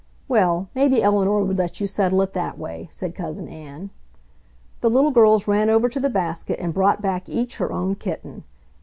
"Well, maybe Eleanor would let you settle it that way," said Cousin Ann. The little girls ran over to the basket and brought back each her own kitten.